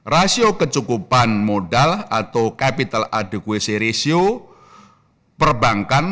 rasio kecukupan modal atau capital aducy ratio perbankan